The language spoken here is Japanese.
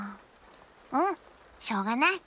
うんしょうがない。